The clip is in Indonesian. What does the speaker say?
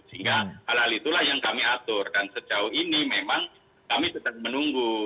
sewaktu ini kami menunggu